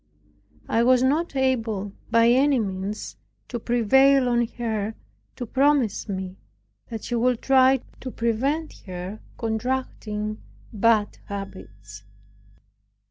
I was not able, by any means, to prevail on her to promise me that she would try to prevent her contracting bad habits.